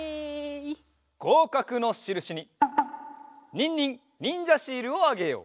ごうかくのしるしにニンニンにんじゃシールをあげよう！